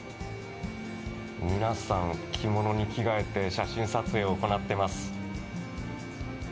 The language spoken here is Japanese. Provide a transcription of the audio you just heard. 皆さん着物に着替えて写真撮影を行っています。